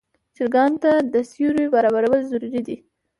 چرګانو ته د سیوري برابرول ضروري دي.